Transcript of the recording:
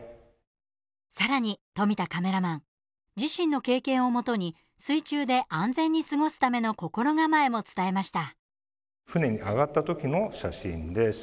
さらに富田カメラマン自身の経験をもとに水中で安全に過ごすための心構えも伝えました。